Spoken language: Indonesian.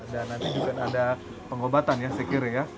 dan nanti juga ada pengobatan ya cikiri ya